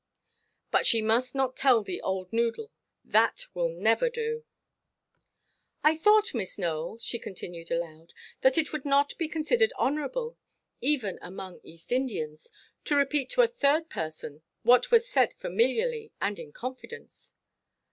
But she must not tell the old noodle; that will never do." "I thought, Miss Nowell," she continued aloud, "that it would not be considered honourable, even among East Indians, to repeat to a third person what was said familiarly and in confidence."